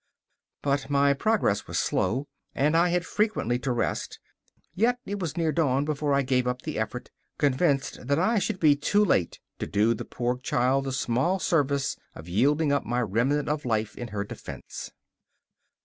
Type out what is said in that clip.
But my progress was slow, and I had frequently to rest; yet it was near dawn before I gave up the effort, convinced that I should be too late to do the poor child the small service of yielding up my remnant of life in her defence.